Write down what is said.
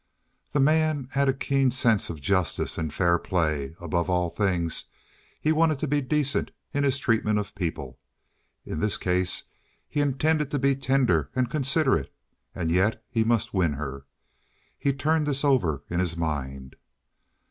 The man had a keen sense of justice and fair play. Above all things he wanted to be decent in his treatment of people. In this case he intended to be tender and considerate, and yet he must win her. He turned this over in his mind.